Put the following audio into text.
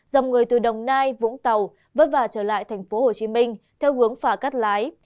dòng người từ đồng nai vũng tàu vớt vào trở lại thành phố hồ chí minh theo hướng phà cắt lái